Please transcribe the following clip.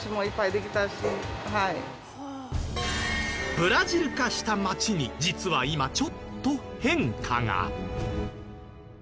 ブラジル化した町に実は今ちょっと変化が。